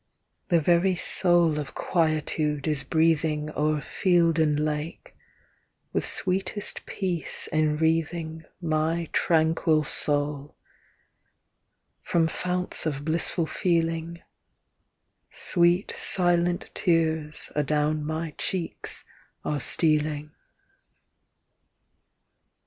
The very soul of quietude is breathing O'er field and lake, with sweetest peace enwreathing My tranquil soul, from founts of blissful feeling, Sweet silent tears adown my cheeks are stealing.